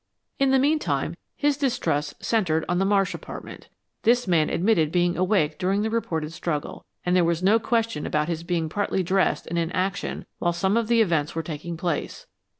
In the meantime, his distrust centered on the Marsh apartment. This man admitted being awake during the reported struggle, and there was no question about his being partly dressed and in action while some of the events were taking place.